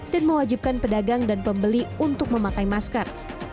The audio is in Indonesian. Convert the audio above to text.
dan mewajibkan pedagang dan pembeli untuk memakai masker